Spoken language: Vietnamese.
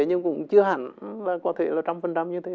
nhưng cũng chưa hẳn là có thể là trăm phần năm như thế